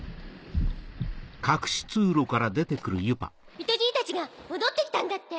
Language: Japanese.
ミトじいたちが戻ってきたんだって。